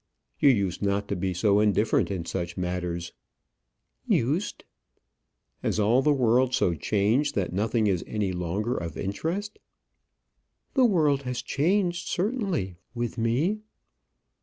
"You used not to be so indifferent in such matters." "Used!" "Has all the world so changed that nothing is any longer of any interest?" "The world has changed, certainly with me."